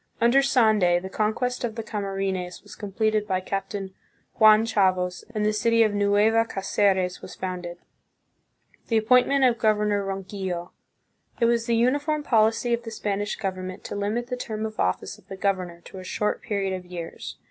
Under Sande the conquest of the Camarines was completed by Captain Juan Chaves and the city of Nueva Cdceres was founded. The Appointment of Governor Ronquillo. It was the uniform policy of the Spanish government to limit the term of office of the governor to a short period of years.